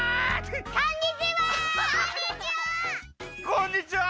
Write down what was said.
こんにちは！